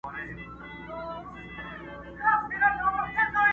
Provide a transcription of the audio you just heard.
o کوټ کوټ دلته کوي، هگۍ بل ځاى اچوي٫